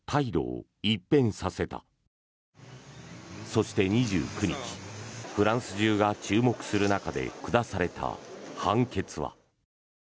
そして、２９日フランス中が注目する中で下された判決は。